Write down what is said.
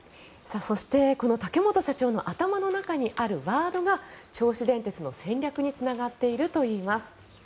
そしてこの竹本社長の頭の中にあるワードが銚子電鉄の戦略につながっているといいます。